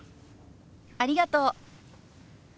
ありがとう。